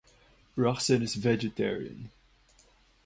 Roxen is vegetarian.